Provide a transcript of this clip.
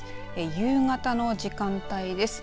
夕方の時間帯です。